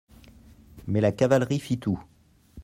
Mais la cavalerie fit tout.